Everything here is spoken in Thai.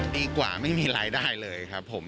ดีกว่าไม่มีรายได้เลยครับผม